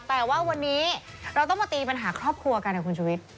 แต่ว่าวันนี้เราต้องมาตีปัญหาครอบครัวกันนะคุณชุวิต